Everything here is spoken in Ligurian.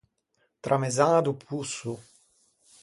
Tramezzaña do posso.